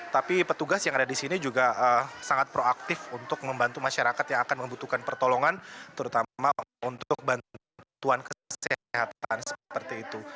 tapi petugas yang ada di sini juga sangat proaktif untuk membantu masyarakat yang akan membutuhkan pertolongan terutama untuk bantuan kesehatan seperti itu